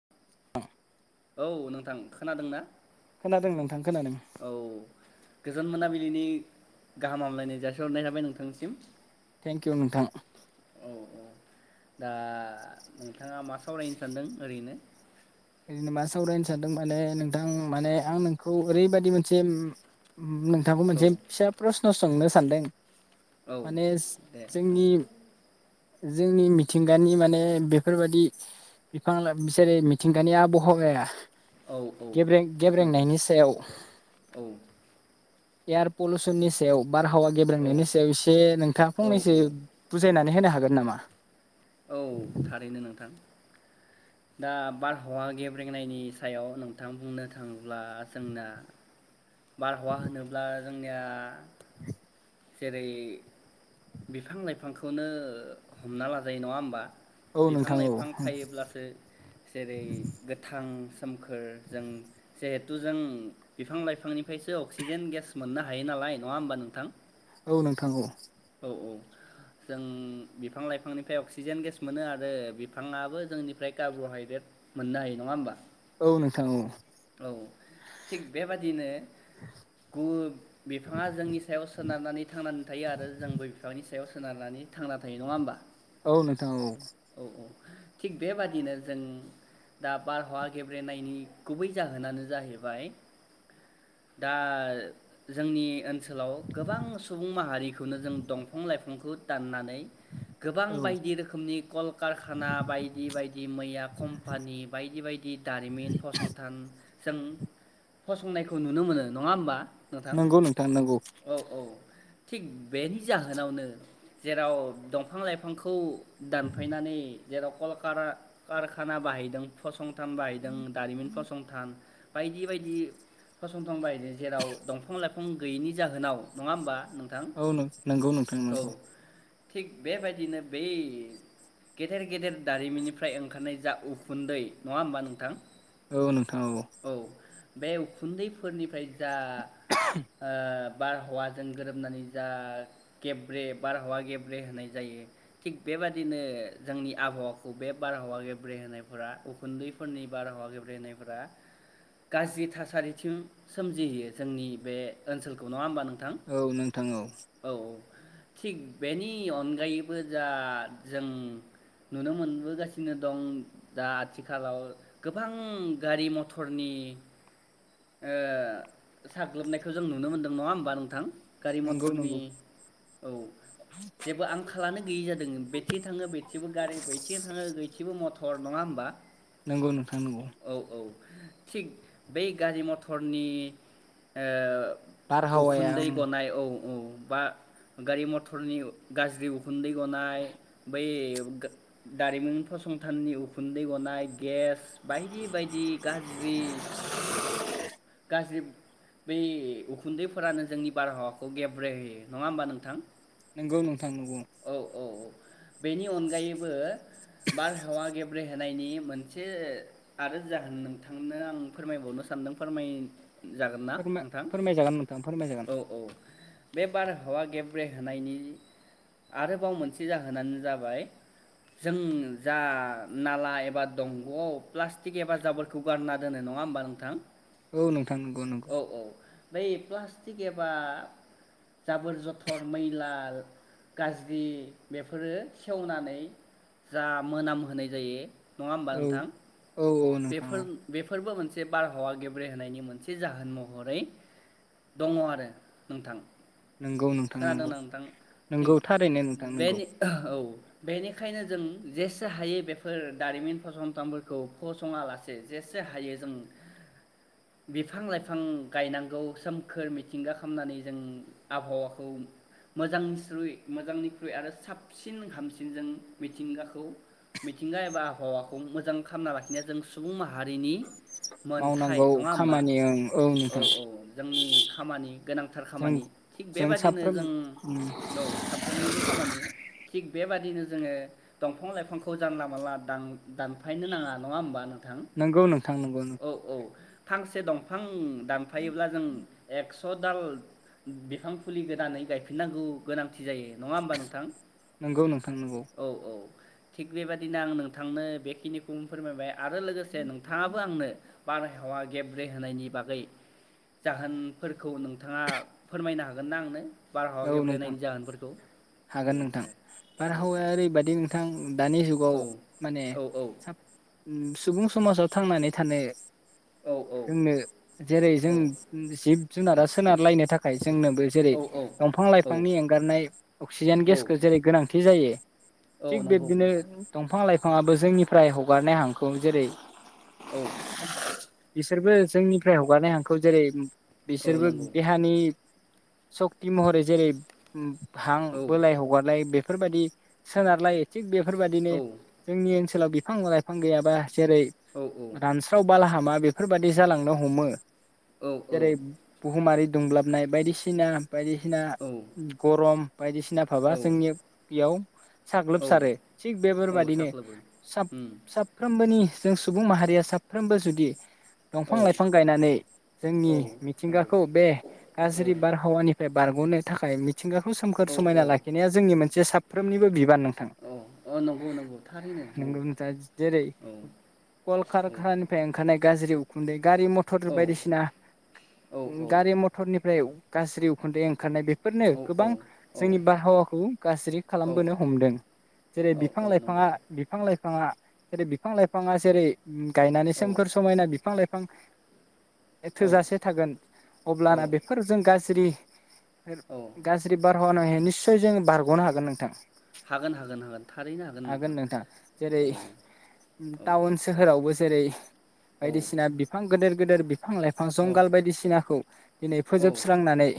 [inaudible] औ नोंथां खोनादों ना? खोनादों नोंथां खोनादों। गोजोन मोनाबिलिनि गाहाम हामलायनाय जासिहरनाय थाबाय नोंथांनिसिम। थेंक इउ नोंथां। औ औ दा नोंथाङा मा सावरायनो सानदों ओरैनो? ओरैनो मा सावरायनो सानदों माने नोंथां माने आं नोंखौ ओरैबायदि मोनसे नोंथांखौ औ मोनसे फिसा प्रसन' सोंनो सान्दों। औ माने दे सों जोंनि। जोंनि मिथिंगानि माने बेफोरबादि बिफां लाइ जेरै थिंगानिया आबहावाया औ औ गेब्रें नंगौ गेब्रेंनायनि सायाव औ एयार फुलसननि सायाव बारहावा औ गेब्रेंनायनि सायाव एसे नोंथां औ फंनैसो औ बुजायनानै होनो हा हागोन नामा? औ थारैनो नोंथां। दा बारहावा गेब्रेंनायनि सायाव नोंथां बुंनो थाङोब्ला जोंना बारहावा होनोब्ला जोंनिया [inaudible] जेरै बिफां लाइफांखौनो हमना लाजायो नङा होमबा? औ बिफां नोंथां औ लाइफां थायोब्लासो जेरै गोथां सोमखोर जों जिहेथु जों बिफां लाइफांनिफ्रायसो अक्सिजेन गेस मोननो हायो नालाय नङा होमबा नोंथां? औ नोंथां औ। अ जों बिफां लाइफांनिफ्राय अक्सिजेन गेस मोनो आरो बिफाङाबो जोंनिफ्राय कार्ब्रहाइद्रेट मोननो हायो नङा होमबा? औ नोंथां औ औ थिग बेबादिनो गु बिफाङा जोंनि सायाव सोनारनानै थांनानै थायो आरो बिफांनि सायाव सोनारनानै थांना थायो नङा होमबा? औ नोंथां औ। औ थिग बेबादिनो जों दा बारहावा गेब्रेनायनि गुबै जाहोनानो जाहैबाय दा जोंनि ओनसोलाव गोबां सुबुं माहारि खौनो जों दंफां लाइफांखौ दाननानै गोबां औ बायदि रोखोमनि कलकारखाना बायदि बायदि मैया कम्पानि बायदि बायदि दारिमिन फसंथान जों फसंनायखौ नुनो मोनो नङा होमबा? नोंथां नोंगौ नोंथां नोंगौ। औ औ थिग बेनि जाहोनावनो जेराव दंफां लाइफांखौ दानफायनानै जेराव कलकारा कारखाना बाहायदों फसं थान बाहायदों दारिमिन फसंथान बायदि बायदि फसंथान बायनो जेराव दंफां लाइफां गैयैनि जाहोनाव नङा होमबा? नोंथां औ नों नोंगौ नोंथां औ नोंगौ। थिग बेबायदिनो बै गेदेर गेदेर दारिमिननिफ्राय ओंखारनाय जा उखुन्दै नङा होमबा नोंथां? औ नोंथां औ। बे उखुन्दैफोरनिफ्राय जा ओ बारहवाजों गोरोबनानै जा गेब्रे बारहावा गेब्रे होनाय जायो थिग बेबादिनो जोंनि आबहावाखौ बे बारहावा गेब्रे होनायफ्रा उखुन्दै फोरनि बारहावा गेब्रे होनायफोरा गाज्रि थासारिथिं सोमजि होयो जोंनि बे ओनसोलखौ नङा होनबा नों औ नोंथां औ। औ औ थिग बेनि नगायैबो जा जों नुनो मोनबोगासिनो दं जा आथिखालाव गोबां गारिमठरनि ओ साग्लोबनायखो जों नुनो मोनदों नङा होमबा नोंथां? गारि नंगौ मथरनि नंगौ औ जेबो आंखालानो गैयि जादों। बेथिं बैथिं बो गारि बिथिं थांओ बैथिं बो मथर सर नङा होमबा? नोंगौ नोंथां नोंगौ। औ औ थिग बे गारि मथरनि ओ बारहावाया उखुन्दै गनाय औ औ बा गारि मथरनि गाज्रि उखुन्दै गनाय बै गा दारिमिन फसंथाननि उखुन्दै गनाय गेस बायदि बायदि गाज्रि गाज्रि बै उखुन्दैफोरानो जोंनि बारहावाखौ गेब्रे होयो नङा होमबा नोंथां? नोंगौ नोंथां नंगौ। औ औ बेनि अनगायैबो बारहावा गेब्रेहोनायनि मोनसे आरो जाहोन नोंथांनो आं फोरमायबावनो सानदों फोरमाय जागोन ना नोंथां फोरमा-फोरमायजागोन नोंथां फोरमायजागोन। औ औ बे बारहावा गेब्रे होनोनायनि आरोबाव मोनसे जाहोनानो जाबाय जों जा नाला एबा दंग आव प्लास्टिक एबा जाबोरखौ गारना दोनो नङा होमबा नोंथां? औ नोंथां नंगौ नंगौ। औ औ बै प्लास्टिक एबा जाबोर जथर मैला गाज्रि बेफोरो सेवनानै जा मोनामहोनाय जायो नङाहोनबा औ नोंथां? औ औ नोंथां बेफोन औ बेफोरबो मोनसे [unintelligible] से बारहावा गेब्रेहोनायनि मोनसे जाहोन महरै दङ आरो नोंथां। नोंगौ नोंथां नंगौ खोनादोंना नोंथां थिग नंगौ थारैनो नोंथां नोंगौ। बेनि औ बेनिखायनो जों जेसे हायो बेफोर दारिमिन फसंथानफोरखौ फसङा लासे जेसे हायो जों नेया जों सुबुं माहा हारिनि मोनथाय मावनांगौ नङा होमबा? खामानि ओं औ नोंथां औ जोंनि खामानि गोनांथार जों खामानि थिग जों बेबादिनो साफ्रोम जों औ साफ्रोमनिबो खामानि थिग बेबादिनो जोङो दंफां लाइफांखौ जानला मोनानला दान-दानफायनो नाङा। नङा होनबा नों नंगौ नोंथां नंगौ नोंगौ। फांसे दंफां दानफायोब्ला जों एक्स स' दाल बिफां फुलि गोदानै गायफिननांगौ गोनांथि जायो नङा होमबा नोंथां? नंगौ नोंथां नंगौ औ औ थिग बेबादिनो आं नोंथांनो बेखिनिखौ फोरमायबाय आरो लोगोसे नोंथाङाबो आंनो बारहावा गेब्रे होनायनि बागै जाहोनफोरखौ नोंथाङा फोरमायनो हागोन ना आंनो? बारहावा औ नोंथां गेब्रेनायनि जाहोनफोरखौ औ हागोन नोंथां दे औ बारहावाया ओरैबायदि नोंथां दानि जुगाव औ माने औ साब ओम सुबुं समाजाव थांनानै थानो औ जोंनो जेरै औ जों जिब जुनारा सोनारलायनो थाखाय जोंनोबो जेरै दंफां औ लाइफांनि एंगारनाय अक्सिजेन औ गेसखौ जेरै गोनांथि जायो औ थिग नंगौ बिब्दिनो नोंथां दंफां लाइ फाङाबो जोंनिफ्राय हगारनाय हांखौ जेरै औ बिसोरबो जोंनिफ्राय हगारनाय हांखौ जेरै औ बिसोरबो नंगौ देहानि सक्ति महरै जेरै उम हां औ बोलाय हगारलाय बेफ बेफोरबायदि सोनारलाय थिग बेफोरबायदिनो औ जोंनि ओनसो ओनसोलाव बिफां लाइफां गैयाबा जेरै औ रानस्राव बालाहामा बेफोरबायदि जालांनो हमो औ जेरै बुहुमारि दुंब्लाबनाय बायदिसिना बायदिसिना औ गरम बायदिसिना भाबा औ जोंनिया बेयाव औ साग्लोबसारो थिग औ बेफोरबायदिनो साख्लोबो उम सा-साफ्रोमबोनि जों सुबुं माहारिया साफ्रोमबो जुदि औ दंफां लाइफां गायनानै जोंनि औ नंगौ मिथिंगाखौ बे औ गाज्रि बारहावानि बारग'नो थाखाय मिथ मिथिंगाखौ सोमखोर औ औ समायना लाखिनाया जोंनि मोनसे साब सफ्रोमनिबो बि बान नोंथां औ अ नंगौ नंगौ थारैनो नंगौ नोंथां जेरै औ औ कलकारखानानिफ्राय ओंखारनाय गाज्रि उखुन्दै गारि मथर औ बायदिसिना औ गारि मथरनिफ्राय उ गास्रिउ खुनदै ओंखारनाय बे फोरनो औ गोबां औ जोंनि बारहावाखौ गाज्रि औ खालामबोनो हमदों जेरै औ बिफां औ नंगौ लाइफाङा बिफां लाइ फाङा जरै बिफां लाइफाङा जेरै उम गायनानै औ सोमखोर समायना बिफां लाइ फां औ थोजासे थागोन औ अब्लाना बेफोरजों गाज्रि सोर औ गाज्रि बार [unintelligible] निस्सय जों बारग'नो हागोन नोंथां। हागोन हागोन हागोन थारैनो हागोन नोंथां जेरै औ औ टाउन सोहोरावबो जेरै औ बायदिसिना बिफां गोदोर गोदोर बि फां लाइफां औ जंगाल बायदिसिनाखौ दिनै औ फोजोबस्रांनानै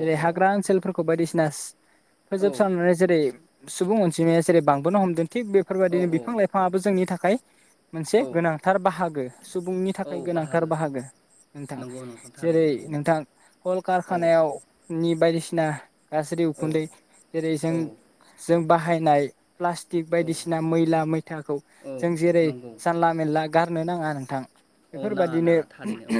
जेरै हाग्रा ओनसोलफोरखौ बायदिसिना सि औ फोजोबस्रांनानै जेरै सुबुं अनजिमाया‌ जेरै बांबोनो हमदों थिग औ बेफोरबायदिनो औ बिफां लाइफाङाबो जोंनि थाखाय मोनसे औ गोनांथार बाहागो। सुबुंनि थाखाय गोनांथार बाहागो नोंथां नंगौ नोंथां जेरै थारैनो नोंथां कलकार औ थानायाव नि बायदिसि ना। गाज्रि औ उखुनदै जेरै जों औ जों बाहायनाय। प्लास्टिक औ बायदिसिना मैला मैथाखौ औ जों जेरै नंगौ जानला मेनला गारनो नाङा नोंथां। औ नाङा बेफोरबादिनो नाङा थारैनो औ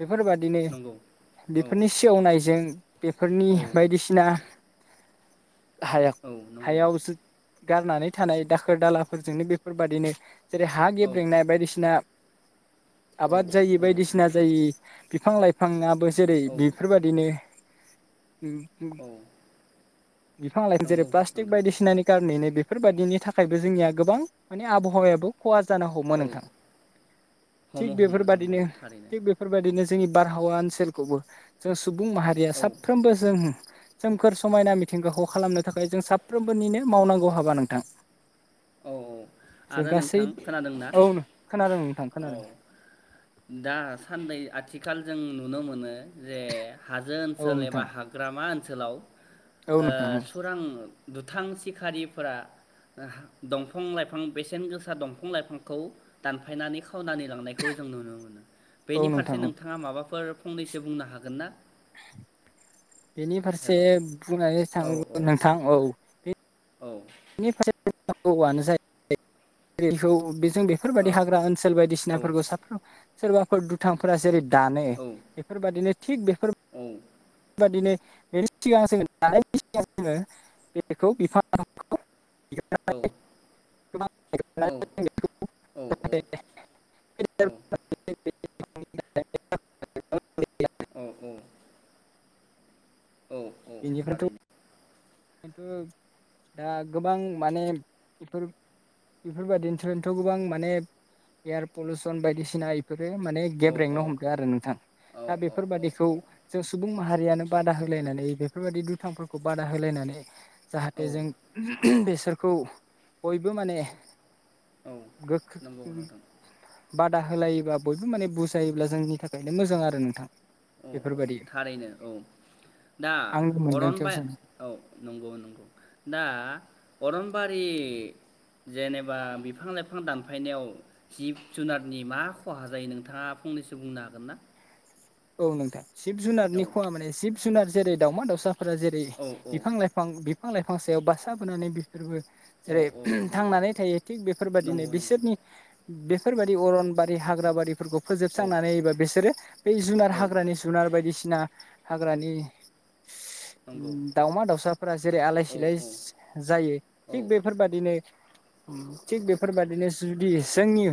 बेफोरबादिनो। नंगौ औ बेफोरनि सेवनाय जों बेफोरनि औ बायदिसिना। हायग औ नंगौ हायावसो। गारनानै थानाय दाखोर दालाफोरजोंनो बेफोरबादिनो। जेरै हा औ गेब्रेंनाय बायदिसिना। औ आबाद जायि नंगौ बायदिसिना जायि। बिफां लाइफां नियाबो जेरै औ बिफोरबादिनो। उम हम। औ बिफां लाइ फा जेरै नंगौ प्लास्टिक नोंथां बायदिसिनानि खारनैनो बे फोर बायदिनि थाखायबो जोंनिया गोबां माने आबहावायाबो खहा जानो हमो औ नोंथां थिग हमो हमो नंगौ बेफोरबायदिनो थारैनो थिग बेफोरबायदिनो जोंनि बारहावा ओनसोल खौबो जों सु बुं माहारिया औ साफ्रोमबो जों सोमखोर समायना मिथ थिंगाखौ खालामनो थाखाय जों साफ्रोमबोनिनो मावनांगौ हाबा नोंथां। औ औ जों आरो गासै नोंथां खोनादोंना औ खोनादों नोंथां औ खोनादों दा साननै आथिखाल जों नुनो मोनो‌ जे हाजो औ ओनसोल एबा नोंथां हाग्रामा ओन सोलाव। औ ओ नोंथां औ सुरां दुथां सिखारिफोरा ओ हा दंफां लाइफां बेसेन गोसा दंफां लाइफांखौ दानफायनानै खो खावनानै लांनायखौ जों नुनो मोनो औ बेनि फारसे नोंथां औ नोंथाङा माबाफोर फ फंनैसो बुंनो हागोन ना? बेनि फारसे हेल' औ बुंनानै औ थांङोबो नोंथां औ। औ। [unintelligible] गोबावानो जायो बेखौ जों औ बेफोरबायदि हाग्रा ओनसोल बायदिसिनाफोरखौ औ साफ्रोम सोरबाफोर दुथांफोरा जेरै दानो औ बेफोरबायादिनो थिग बेफोर बादिनो बेनि सिगां जोङो दानायनि सिगां जोङो बेखौ बिफांखौ। औ [unintelligible] [unintelligible] औ औ। बेनिफ्रायथ' थारैनो दाथ' दा गोबां माने बेफोर बेफोरबायदिनिफ्रायथ' गोबां माने एयार पलुउसन बायदिसिना बेफोर माने औ गेब औ रेंनो हमदों आरो नोंथां औ दा औ बेफोरबादिखौ औ जों सुबुं माहारियानो बादा होलायनानै बेफोरबायदि दुथांफोरखौ बादा होलायनानै [unintelligible] जाहाथे औ जों बेसोर खौ बयबो माने औ नंगौ [unintelligible] नोंथां बादा होलायोबा बयबो माने बुजायोब्ला जोंनि थाखायनो मोजां आरो नोंथां। औ औ बेफोरबायदि थारैनो औ दा आंनि अरन मोनदांथियाव बाइ जों औ। नंगौ नंगौ दा अरनबारि जेनेबा बिफां लाइफां दानफायनायाव जिब जुनारनि मा खहा जायो नोंथाङा फंनैसो बुंनो हागोन ना? औ नोंथां। जिब जुनारनि औ खहा माने जिब जुनार जेरै दावमा दाउसा। फोर जेरै औ बिफां लाइफां बिफां लाइफां सायाव बासा बोनानै बिसोरबो औ जेरै औ नंगौ थांनानै थायो थिग बेफोरबायादिनो नंगौ नंगौ बिसोरनि बेफोरबायदि अरनबारि हाग्रा बारिफोरखौ औ फोजोबस्रांनानैबा बिसोरो जुनार औ हाग्रानि जुनार बायदिसिना हाग्रानि नंगौ दावमा दाउसाफोरा जेरै आलाय औ सिलाय जायो औ थिग बेफोरबादिनो थिग बेफोरबायादिनो जुदि जोंनि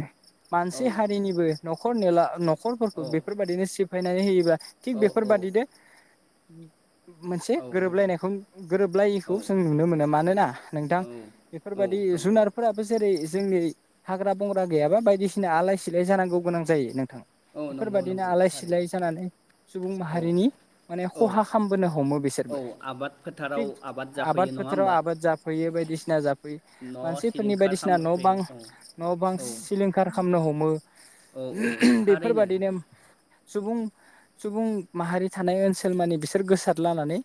मानसि औ हारिनिबो नख खर न'ला न खर फोरखौ औ बेफोर सिफायनानै होयोबा थिग औ बेफोरबादि दे औ [unintelligible] मोनसे औ नंगौ गोरोबलायनायखौ गोरोबलायैखौ औ जों नुनो मोनो मानोना नोंथां औ औ बेफोरबायदि नंगौ जुनारफोराबो जेरै जोंनि हाग्रा बंग्रा गैयाबा बायदिसिना आलाय सिलाय जानांगौ गोनां जायो नों औ बेफोरबा नंगौ दिनो नंगौ आलाय थारैनो सिलाय जानानै सुबुं माहारिनि माने औ औ खहा खालामबोनो हमो औ बिसोरबो आबाद फोथाराव थिग आबाद जाफैयो नङा फोथाराव होमबा आबाद जाफैयो बायदिसिना जाफैयो न' मानसिफोरनि सिलिंखार बायदिसिना न' बां खालामफैयो औ न' बां औ सिलिंखार खालामनो हमो औ औ थारैनो बेफोरबादिनो सुबुं सुबुं माहारि थानाय ओनसोल मानि बिसोर गोसार लानानै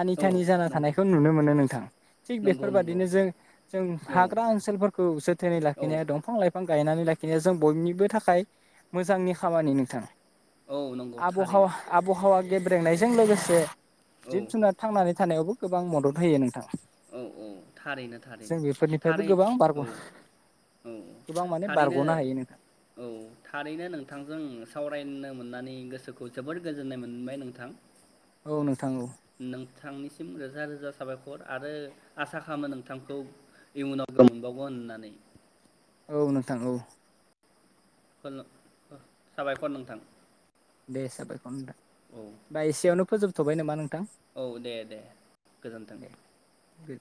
आनि औ थानि जाना नंगौ थानायखौ नुनो मोनो नोंथां थिग नंगौ नंगौ बेफोरबायादिनो जों जों औ हाग्रा ओनसोलफोरखौ जोथोनै औ लाखिनाया दंफां लाइफां गायनानै लाखिनाया जों बयनिबो थाखाय मोजांनि खामानि नोंथां। औ नंगौ आब'हावा थारैनो आब'हावा गेब्रेंनायजों लोगोसे औ जिब जुनार थांनानै थानायावबो गोबां मदद होयो नोंथां। औ औ थारैनो जों थारैनो बेफोरनिफ्रायबो थारै गोबां बारग' औ औ औ गोबां माने थारैनो बारग'नो हायो नोंथां औ थारैनो नोंथांजों सावरायनो मोननानै गोसोखौ जोबोर गोजोननाय मोनबाय नोंथां। औ नोंथां औ। नोंथांनिसिम रोजा रोजा साबायखर आरो आसा खालामो नोंथांखौ इयुनाव मोनबावगोन होननानै। औ नोंथां औ। साबायखर नोंथां। दे साबायखर नों। औ बा एसेयावनो फोजोब थबाय नामा नों औ दे दे गोजोन्थों। गो